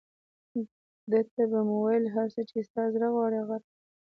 ده ته به مو ویل، هر څه چې ستا زړه غواړي هغه راوړه.